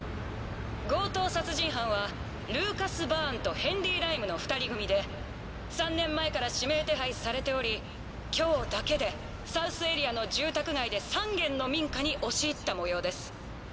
強盗殺人犯はルーカス・バーンとヘンリー・ライムの２人組で３年前から指名手配されており今日だけでサウスエリアの住宅街で３軒の民家に押し入ったもようです」。